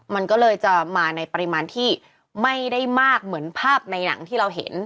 มันก็เลยจะมาในปริมาณที่ไม่ได้มากเหมือนภาพในหนังที่เราเห็น